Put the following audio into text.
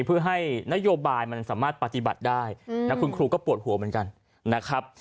เพื่อให้นโยบายมันสามารถปฏิบัติได้แล้วคุณครูก็ปวดหัวเหมือนกันนะครับ